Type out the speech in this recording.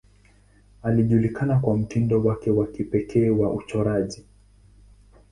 Alijulikana kwa mtindo wake wa kipekee wa uchoraji.